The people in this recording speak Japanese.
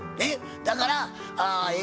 だからええ